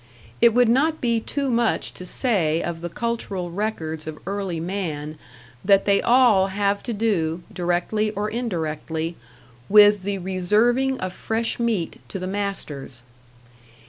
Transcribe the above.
It would not be too much to say of the cultural records of early man that they all have to do, directly or indirectly, with the reserving of fresh meat to the masters.